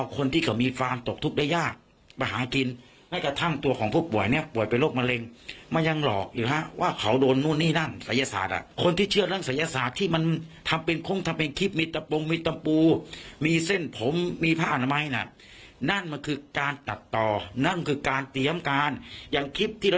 ข้อที่ให้เราดูเขาส่งไหมมันคือเขาทำไหม